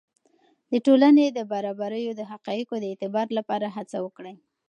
د ټولنې د برابریو د حقایقو د اعتبار لپاره هڅه وکړئ.